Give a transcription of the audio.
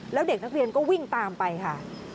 แล้วเด็กนักเรียนก็วิ่งตามไปค่ะ